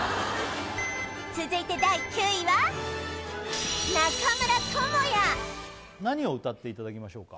続いて第９位は何を歌っていただきましょうか？